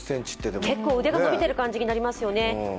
結構腕が伸びてる感じになりますよね。